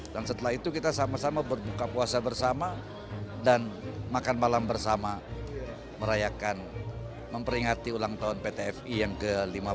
dan setelah itu kita sama sama berbuka puasa bersama dan makan malam bersama merayakan memperingati ulang tahun ptfi yang ke lima puluh enam